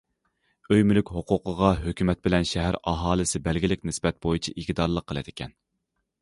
ئۆي مۈلۈك ھوقۇقىغا ھۆكۈمەت بىلەن شەھەر ئاھالىسى بەلگىلىك نىسبەتەن بويىچە ئىگىدارلىق قىلىدىكەن.